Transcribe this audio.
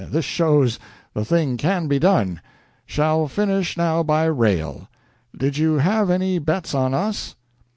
This shows the thing can be done. Shall finish now by rail. Did you have any bets on us?"